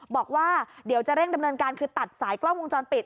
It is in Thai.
บอกว่าเดี๋ยวจะเร่งดำเนินการคือตัดสายกล้องวงจรปิด